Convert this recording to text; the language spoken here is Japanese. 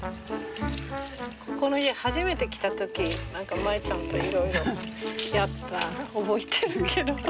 ここの家初めて来た時マエちゃんといろいろやったの覚えてるけど。